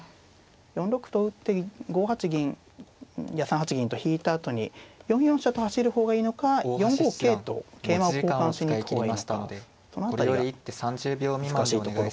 ４六歩と打って５八銀や３八銀と引いたあとに４四飛車と走る方がいいのか４五桂と桂馬を交換しに行く方がいいのかその辺りが難しいところかなと思います。